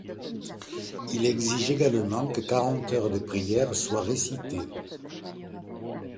Il exige également que quarante heures de prières soient récitées.